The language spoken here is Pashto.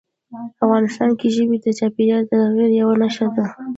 افغانستان کې ژبې د چاپېریال د تغیر یوه نښه ده.